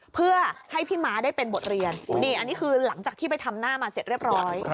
เพื่อให้พี่ม้าได้เป็นบทเรียนนี่อันนี้คือหลังจากที่ไปทำหน้ามาเสร็จเรียบร้อย